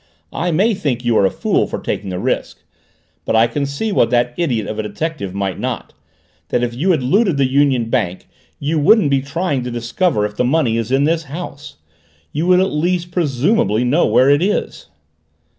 I may think you are a fool for taking the risk, but I can see what that idiot of a detective might not that if you had looted the Union Bank you wouldn't be trying to discover if the money is in this house. You would at least presumably know where it is."